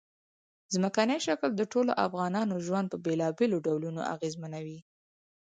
ځمکنی شکل د ټولو افغانانو ژوند په بېلابېلو ډولونو اغېزمنوي.